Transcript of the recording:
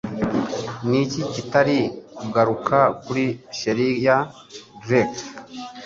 Niki kitari kugaruka kuri Charlie Drake